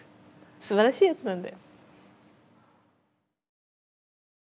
すばらしいやつなんだよ。